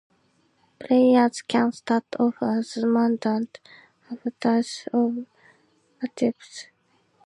Players can start off as "mundanes", "Avatars", or "Adepts".